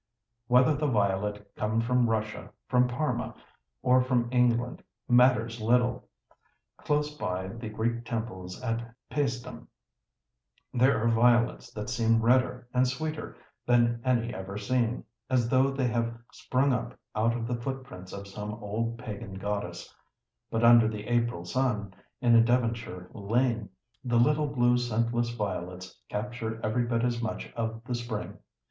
Whether the violet come from Russia, from Parma, or from England, matters little. Close by the Greek temples at Paestum there are violets that seem redder, and sweeter, than any ever seen—as though they have sprung up out of the footprints of some old pagan goddess; but under the April sun, in a Devonshire lane, the little blue scentless violets capture every bit as much of the spring.